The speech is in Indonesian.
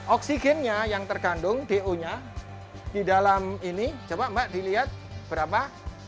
oksigennya yang tergantung do nya di dalam ini coba mbak dilihat berapa